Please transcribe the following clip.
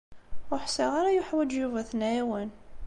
Ur ḥṣiɣ ara yuḥwaǧ Yuba ad t-nɛiwen.